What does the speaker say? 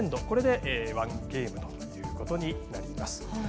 これで１ゲームということになります。